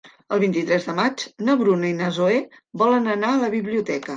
El vint-i-tres de maig na Bruna i na Zoè volen anar a la biblioteca.